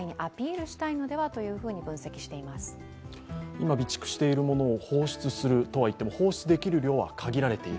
今備蓄しているものを放出するとはいっても、放出できる量は限られている。